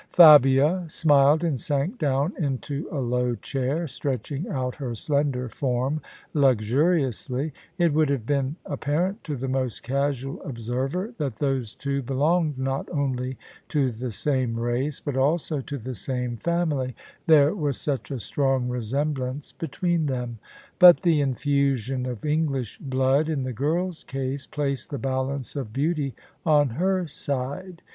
Fabia smiled and sank down into a low chair, stretching out her slender form luxuriously. It would have been ap parent to the most casual observer that those two belonged not only to the same race, but also to the same family, there was such a strong resemblance between them. But the in fusion of English blood in the girl's case placed the balance of beauty on her side.